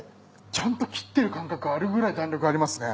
ちゃんと切ってる感覚あるくらい弾力ありますね。